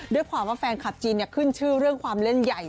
ด้วยความว่าแฟนคลับจีนขึ้นชื่อเรื่องความเล่นใหญ่